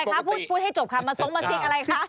มาสงมาซิกอะไรคะ